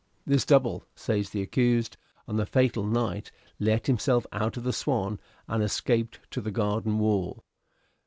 "This double, says the accused, on the fatal night let himself out of the 'Swan' Inn and escaped to the garden wall.